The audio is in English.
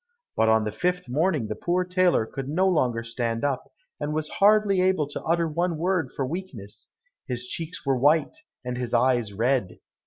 But on the fifth morning the poor tailor could no longer stand up, and was hardly able to utter one word for weakness; his cheeks were white, and his eyes red.